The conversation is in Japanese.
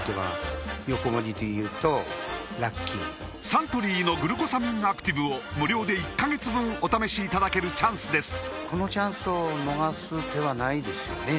サントリーの「グルコサミンアクティブ」を無料で１カ月分お試しいただけるチャンスです